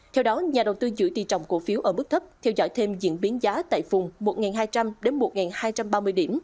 theo đó nhà đầu tư giữ tỷ trọng cổ phiếu ở mức thấp theo dõi thêm diễn biến giá tại phùng một hai trăm linh một hai trăm ba mươi điểm